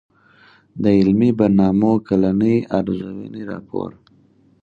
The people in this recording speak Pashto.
د علمي برنامو کلنۍ ارزوني راپور